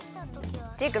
っていうか